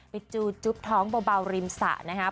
จูจุ๊บท้องเบาริมสระนะครับ